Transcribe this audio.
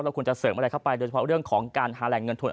ควรจะเสริมอะไรเข้าไปโดยเฉพาะเรื่องของการหาแหล่งเงินทุน